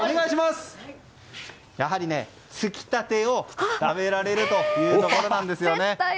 やはり、つきたてを食べられるところなんですね。